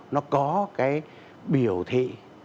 nó có cái biểu thị